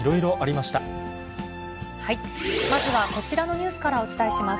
まずはこちらのニュースからお伝えします。